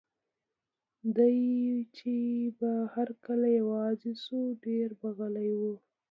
دی چې به هر کله یوازې شو، ډېر به غلی و.